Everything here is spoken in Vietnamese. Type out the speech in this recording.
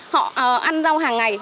họ ăn rau hàng ngày